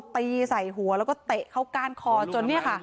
ตีใส่หัวแล้วก็เตะเข้าก้านคอจนเนี่ยค่ะ